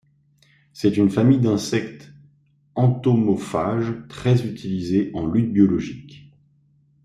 C'est une famille d'insectes entomophages très utilisée en lutte biologique.